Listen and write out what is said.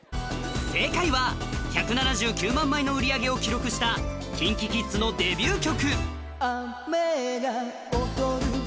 正解は１７９万枚の売り上げを記録した ＫｉｎＫｉＫｉｄｓ のデビュー曲